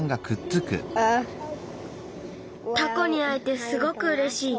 タコにあえてすごくうれしい。